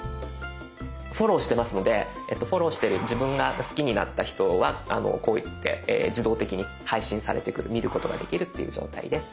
フォローしてますのでフォローしてる自分が好きになった人のがこうやって自動的に配信されてくる見ることができるっていう状態です。